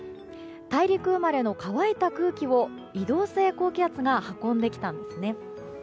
大陸生まれの乾いた空気を移動性高気圧が運んできたんですね。